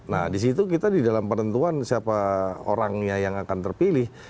nah disitu kita di dalam penentuan siapa orangnya yang akan terpilih